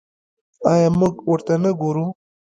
آیا موږ ورته نه ګورو؟